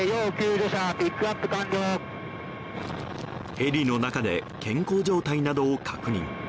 ヘリの中で健康状態などを確認。